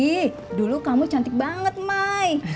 ih dulu kamu cantik banget mae